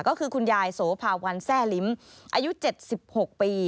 ก็คือคุณยายโสภาวันแทร่ลิ้มอายุ๗๖ปี